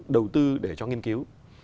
đầu tư để cho nghiên cứu